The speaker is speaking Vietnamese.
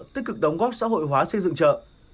tích cực đóng góp xã hội hóa xây dựng chợ